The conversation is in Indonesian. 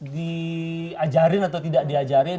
diajarin atau tidak diajarin